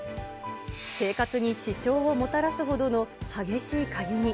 生活に支障をもたらすほどの激しいかゆみ。